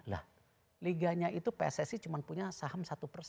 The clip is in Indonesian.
lah liganya itu psc cuma punya saham satu